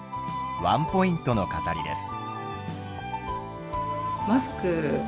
ワンポイントの飾りです。